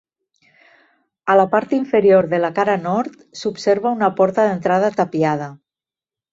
A la part inferior de la cara Nord s'observa una porta d'entrada tapiada.